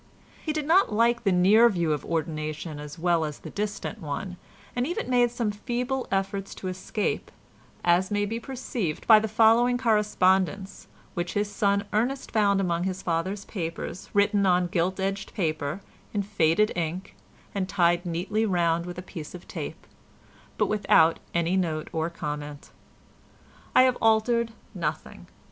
He did not like the near view of ordination as well as the distant one, and even made some feeble efforts to escape, as may be perceived by the following correspondence which his son Ernest found among his father's papers written on gilt edged paper, in faded ink and tied neatly round with a piece of tape, but without any note or comment. I have altered nothing.